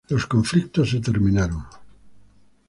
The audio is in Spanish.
Los conflictos se terminaron.